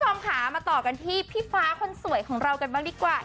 คุณผู้ชมค่ะมาต่อกันที่พี่ฟ้าคนสวยของเรากันบ้างดีกว่า